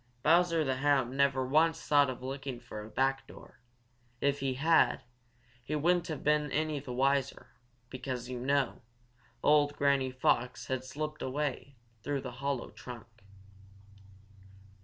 Bowser the Hound never once thought of looking for a back door. If he had, he wouldn't have been any the wiser, because, you know, old Granny Fox had slipped away through the hollow tree trunk.